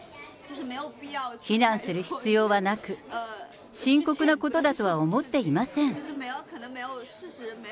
非難する必要はなく、深刻なことだとは思っていません。